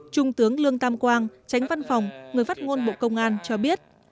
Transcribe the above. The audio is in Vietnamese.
trung tướng lương tam quang tránh văn phòng người phát ngôn bộ công an cho biết